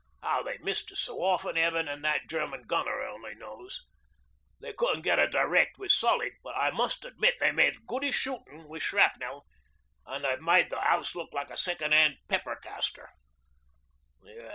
How they missed us so often, Heaven an' that German gunner only knows. They couldn't get a direct with solid, but I must admit they made goodish shootin' wi' shrapnel, an' they've made that 'ouse look like a second 'and pepper caster.